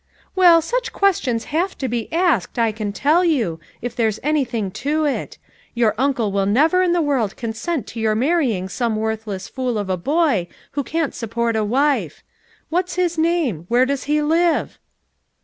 "Well, such questions have to be asked I can tell you, if there's anything to it. Tour uncle will never in the world consent to your marry ing some worthless fool of a boy who can't sup port a wife. "What's his name? Where does he live?"